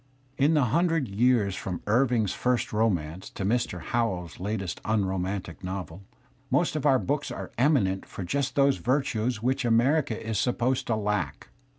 In the himdred years from Irving's first romance to Mr. Howells's latest unromantic novel, most of our books are eminent for just those virtues which America jj is supposed to lack.